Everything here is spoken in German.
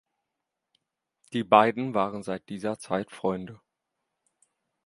Die beiden waren seit dieser Zeit Freunde.